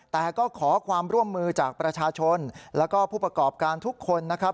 แต่ก็ขอความร่วมมือจากประชาชนแล้วก็ผู้ประกอบการทุกคนนะครับ